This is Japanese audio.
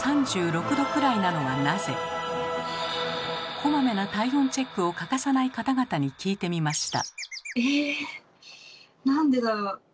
こまめな体温チェックを欠かさない方々に聞いてみました。